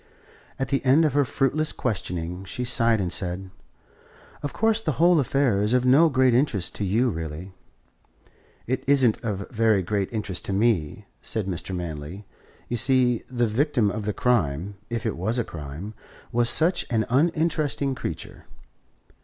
At the end of her fruitless questioning she sighed and said: "Of course, the whole affair is of no great interest to you really." "It isn't of very great interest to me," said Mr. Manley. "You see, the victim of the crime, if it was a crime, was such an uninteresting creature.